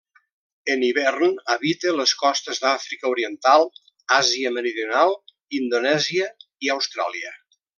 En hivern habita les costes d'Àfrica Oriental, Àsia Meridional, Indonèsia i Austràlia.